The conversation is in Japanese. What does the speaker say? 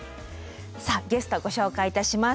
さあゲストご紹介いたします。